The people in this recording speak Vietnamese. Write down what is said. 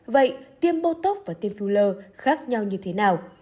vậy tiêm mô tốc và tiêm filler khác nhau như thế nào